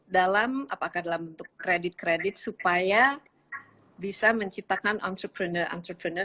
dalam apakah dalam bentuk kredit kredit supaya bisa menciptakan entrepreneur entrepreneur